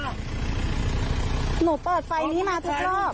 หนูเปิดไฟนี้มาทุกรอบ